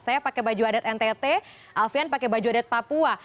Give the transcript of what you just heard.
saya pakai baju adat ntt alfian pakai baju adat papua